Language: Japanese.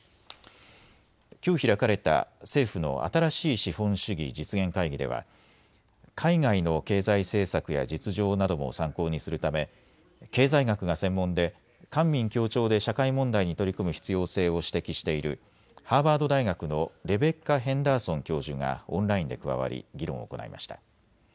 きょう開かれた政府の新しい資本主義実現会議では海外の経済政策や実情なども参考にするため経済学が専門で官民協調で社会問題に取り組む必要性を指摘しているハーバード大学のレベッカ・ヘンダーソン教授がオンラインで加わり議論を行いました。